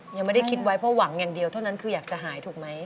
ยังไม่ได้คิดไว้เพราะหวังอย่างเดียวเท่านั้นคืออยากจะหายถูกไหม